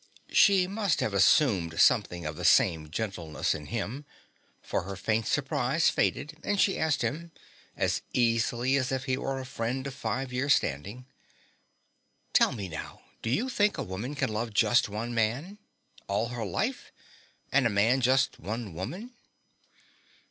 She must have assumed something of the same gentleness in him, for her faint surprise faded and she asked him, as easily as if he were a friend of five years' standing, "Tell now, do you think a woman can love just one man? All her life? And a man just one woman?"